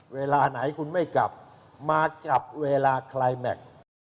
เวลาไหนคุณไม่กลับมาจับเวลาคลายแม็กซ์